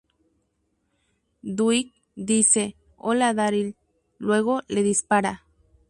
Dwight dice "Hola Daryl", luego le dispara.